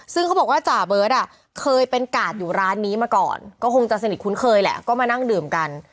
ซึ่งเขาบอกว่าจ่าเบิร์ตเคยเป็นกาดอยู่ร้านนี้มาก่อนก็คงจะสนิทคุ้นเคยแหละก็มานั่งดื่มกัน